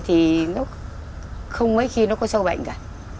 thì không mấy khi nó có sâu bệnh cả